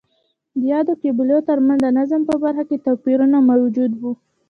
د یادو قبیلو ترمنځ د نظم په برخه کې توپیرونه موجود وو